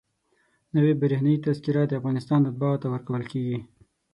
نوې برېښنایي تذکره د افغانستان اتباعو ته ورکول کېږي.